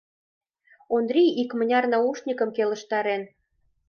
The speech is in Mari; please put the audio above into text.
Ондрий икмыняр наушникым келыштарен.